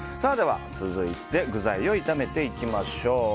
続いて具材を炒めていきましょう。